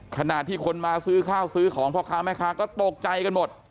ขณะที่คนมาซื้อข้าวซื้อของพ่อค้าแม่ค้าก็ตกใจกันหมด